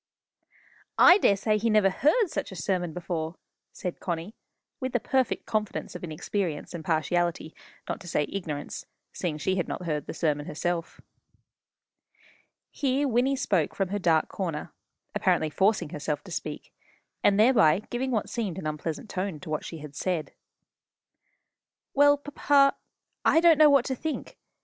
"I daresay he never heard such a sermon before!" said Connie, with the perfect confidence of inexperience and partiality not to say ignorance, seeing she had not heard the sermon herself. Here Wynnie spoke from her dark corner, apparently forcing herself to speak, and thereby giving what seemed an unpleasant tone to what she said. "Well, papa, I don't know what to think.